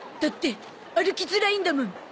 だって歩きづらいんだもん。